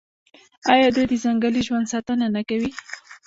آیا دوی د ځنګلي ژوند ساتنه نه کوي؟